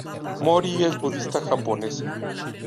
Mori es budista japonesa.